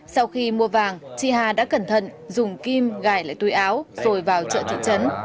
sau khi mua vàng chị hà đã cẩn thận dùng kim gải lại túi áo rồi vào chợ thị trấn